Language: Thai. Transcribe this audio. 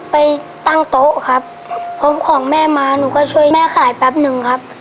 ไปตั้งโต๊ะครับพกของแม่มาหนูก็ช่วยแม่ขายแป๊บหนึ่งครับ